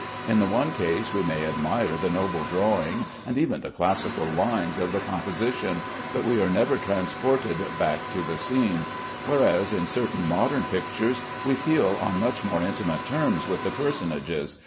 In the one case we may admire the noble drawing and even the classical lines of the composition, but we are never transported back to the scene; whereas in certain modern pictures we feel on much more intimate terms with the personages.